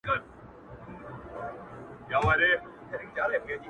بیا هغه لار ده. خو ولاړ راته صنم نه دی.